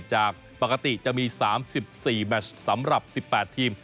จากปกติจะมี๓๔แมชสำหรับ๑๘ทีม